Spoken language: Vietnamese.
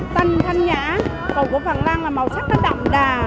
thanh nhã còn của phần lan là màu sắc nó đậm đà